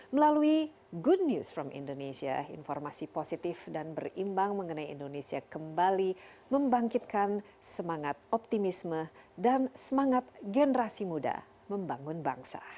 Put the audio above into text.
melalui good news from indonesia informasi positif dan berimbang mengenai indonesia kembali membangkitkan semangat optimisme dan semangat generasi muda membangun bangsa